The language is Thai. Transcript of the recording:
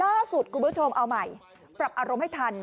คุณผู้ชมเอาใหม่ปรับอารมณ์ให้ทัน